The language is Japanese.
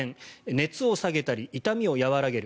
熱を下げたり痛みを和らげる。